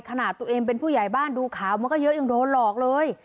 ขนาดตัวเองเป็นผู้ใหญ่บ้านดูข่าวมันก็เยอะยังโดนหลอกเลย